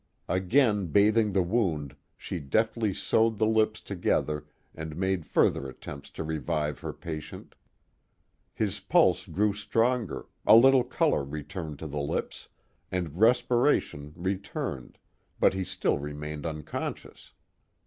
Again bath ing the wound, she deftly sewed the lips together and made further attempts to revive her patient. His pulse grew stronger, a little color returned to the lips, and respiration re turned, but he still remained unconscious.